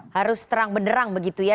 harus terang benderang begitu ya